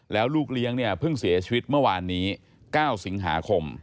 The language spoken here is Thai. แล้วลูกเลี้ยงเนี่ยเพิ่งเสียชีวิตเมื่อวานนี้๙สิงหาคม